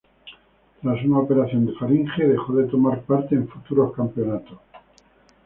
Tras una operación de faringe dejó de tomar parte en futuros campeonatos.